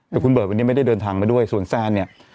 แต่คุณเบิร์ตวันนี้ไม่ได้เดินทางมาด้วยส่วนแซนเนี่ย